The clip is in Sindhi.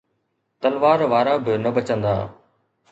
تلوار وارا به نه بچندا.